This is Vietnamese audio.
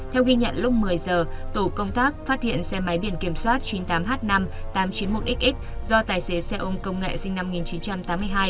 theo ghi nhận lúc một mươi giờ tổ công tác phát hiện xe máy biển kiểm soát chín mươi tám h năm tám trăm chín mươi một xx do tài xế xe ôm công nghệ sinh năm một nghìn chín trăm tám mươi hai